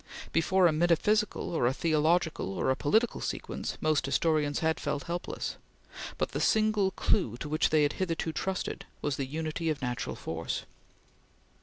Before a metaphysical or a theological or a political sequence, most historians had felt helpless, but the single clue to which they had hitherto trusted was the unity of natural force.